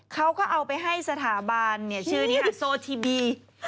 เขาก็เอาไปให้สถาบันชื่อนี้ค่ะโซทีบี